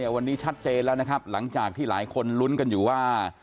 วันนี้ชัดเจนแล้วนะครับหลังจากที่หลายคนลุ้นกันอยู่ว่า